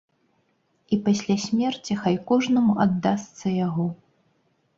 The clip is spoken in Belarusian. І пасля смерці хай кожнаму аддасца яго.